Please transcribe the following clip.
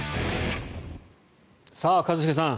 さあ、一茂さん